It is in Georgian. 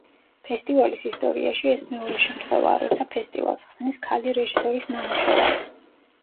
ფესტივალის ისტორიაში ეს მეორე შემთხვევაა, როცა ფესტივალს ხსნის ქალი რეჟისორის ნამუშევარი.